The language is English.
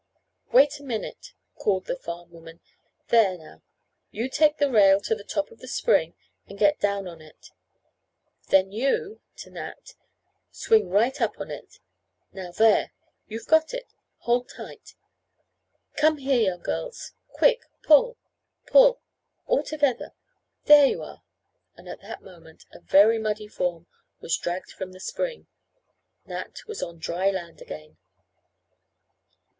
"Wait a minute," called the farm woman. "There, now, you take the rail to the top of the spring and get down on it. Then you (to Nat) swing right up on it now there, you've got it! Hold tight. Come here young girls. Quick! Pull! Pull! Altogether! There you are!" and, at that moment, a very muddy form was dragged from the spring. Nat was on dry land again.